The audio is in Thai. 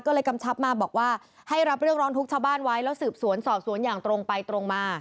ก็เลยกำชับมาบอกว่าให้รับเรื่องร้องทุกข์ชาวบ้านไว้แล้วสืบสวนสอบสวนอย่างตรงไปตรงมา